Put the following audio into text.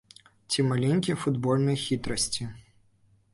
Ці маленькія футбольныя хітрасці?